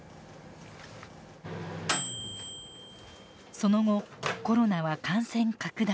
その後コロナは感染拡大。